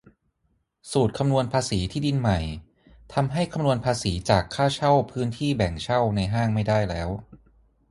สูตรคำนวณภาษีที่ดินใหม่ ทำให้คำนวณภาษีจากค่าเช่าพื้นที่แบ่งเช่าในห้างไม่ได้แล้ว